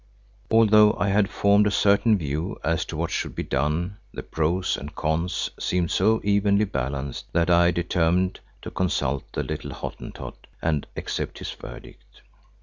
Although I had formed a certain view as to what should be done, the pros and cons seemed so evenly balanced that I determined to consult the little Hottentot and accept his verdict.